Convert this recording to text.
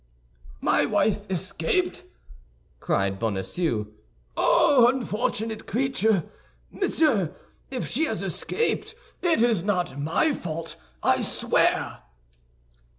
"My wife escaped!" cried Bonacieux. "Oh, unfortunate creature! Monsieur, if she has escaped, it is not my fault, I swear."